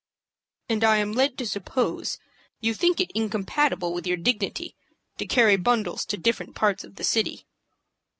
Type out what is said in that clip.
"And I am led to suppose you think it incompatible with your dignity to carry bundles to different parts of the city."